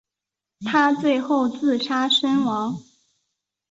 他最后自杀身亡。